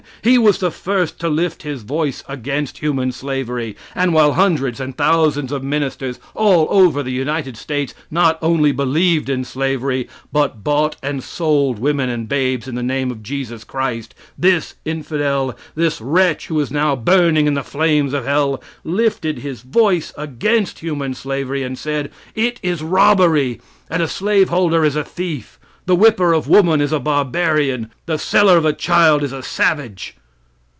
He was the first to lift his voice against human slavery, and while hundreds and thousands of ministers all over the United States not only believed in slavery, but bought and sold women and babes in the name of Jesus Christ, this infidel, this wretch who is now burning in the flames of hell, lifted his voice against human slavery and said: "It is robbery, and a slaveholder is a thief; the whipper of women is a barbarian; the seller of a child is a savage."